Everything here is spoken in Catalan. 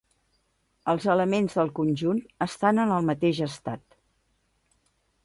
Els elements del conjunt estan en el mateix estat.